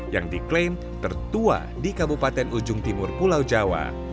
yang diklaim tertua di kabupaten ujung timur pulau jawa